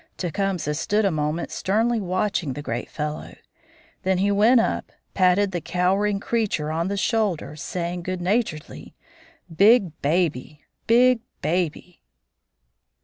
Tecumseh stood a moment sternly watching the great fellow. Then he went up and patted the cowering creature on the shoulder, saying good naturedly, "Big baby; big baby!"